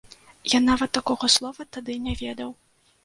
Я нават такога слова тады не ведаў.